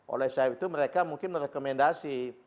oleh sebab itu mereka mungkin merekomendasi